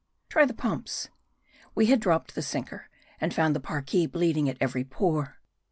TRY the pumps. We dropped the sinker, and found the Parki bleeding at every pore.